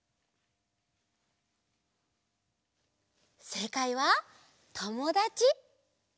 せいかいは「ともだち」。